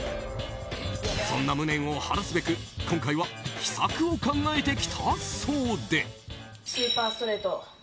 そんな無念を晴らすべく今回は秘策を考えてきたそうで。